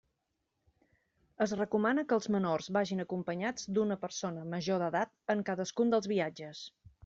Es recomana que els menors vagin acompanyats d'una persona major d'edat en cadascun dels viatges.